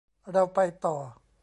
เราไปต่อ